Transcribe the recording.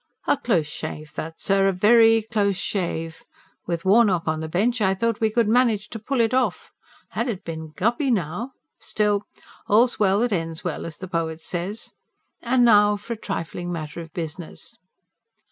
"A close shave that, sir, a VE RY close shave! With Warnock on the bench I thought we could manage to pull it off. Had it been Guppy now ... Still, all's well that ends well, as the poet says. And now for a trifling matter of business."